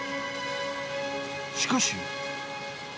しかし。